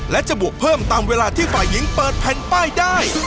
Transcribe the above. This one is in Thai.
และจะบวกเพิ่มตามเวลาที่ฝ่ายหญิงเปิดแผ่นป้ายได้